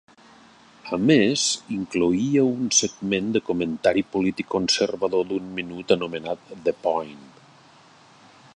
A més, incloïa un segment de comentari polític conservador d'un minut anomenat "The Point".